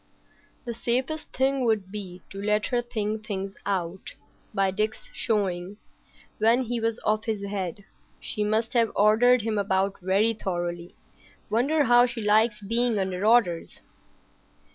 "The safest thing would be to let her think things out. By Dick's showing,—when he was off his head,—she must have ordered him about very thoroughly. Wonder how she likes being under orders."